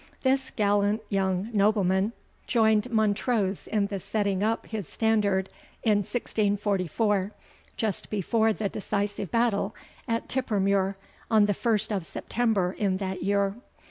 This gallant young nobleman joined Montrose in the setting up his standard in 1644, just before the decisive battle at Tippermuir, on the 1st September in that year.